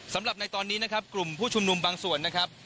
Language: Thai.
สำหรับในตอนนี้นะครับกลุ่มผู้ชุมนุมบางส่วนนะครับ